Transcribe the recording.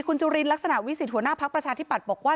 คุณจุลินลักษณะวิสิทธิหัวหน้าพักประชาธิปัตย์บอกว่า